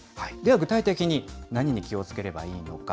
具体的に何に気をつければいいのか。